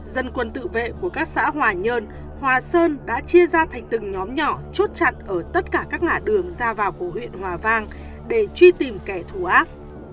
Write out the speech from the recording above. dân quân tự vệ của các xã hòa nhơn hòa sơn đã chia ra thành từng nhóm nhỏ chốt chặn ở tất cả các ngã đường ra vào của huyện hòa vang để truy tìm kẻ thù ác